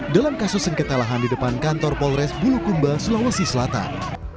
dalam kasus sengketa lahan di depan kantor polres bulukumba sulawesi selatan